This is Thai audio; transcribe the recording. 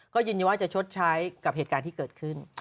ก็ยินว่าจะชดใช้กับเหตุการณ์ที่เกิดขึ้น